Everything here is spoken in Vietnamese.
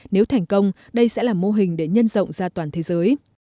nếu thành công đây sẽ là mô hình để nhân rộng ra toàn thế giới